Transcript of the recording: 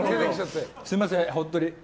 すみません。